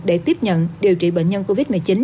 để tiếp nhận điều trị bệnh nhân covid một mươi chín